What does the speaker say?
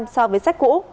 so với sách cũ